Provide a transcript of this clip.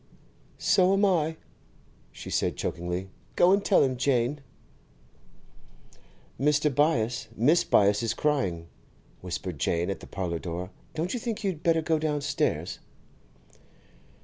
'So am I,' she said chokingly. 'Go and tell him, Jane.' 'Mr. Byass, Mrs. Byass is crying,' whispered Jane at the parlour door. 'Don't you think you'd better, go downstairs?